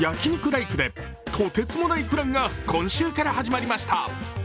ライクでとてつもないプランが今週から始まりました。